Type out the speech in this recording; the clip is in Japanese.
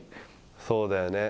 そうだよね。